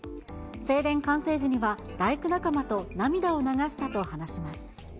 正殿完成時には、大工仲間と涙を流したと話します。